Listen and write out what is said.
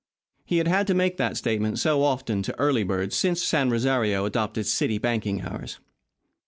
He had had to make that statement so often to early birds since San Rosario adopted city banking hours.